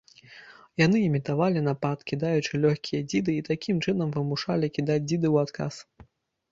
Яны імітавалі напад, кідаючы лёгкія дзіды, і такім чынам вымушалі кідаць дзіды ў адказ.